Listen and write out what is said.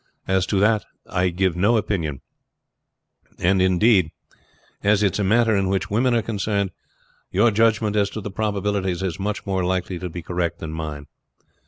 As to that I give no opinion; and, indeed, as it is a matter in which women are concerned, your judgment as to the probabilities is much more likely to be correct than mine.